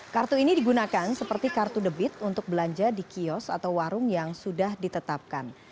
kartu ini digunakan seperti kartu debit untuk belanja di kios atau warung yang sudah ditetapkan